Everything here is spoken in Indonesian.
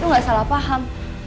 supaya dia gak salah paham